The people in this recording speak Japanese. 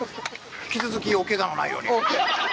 引き続きおけがのないように。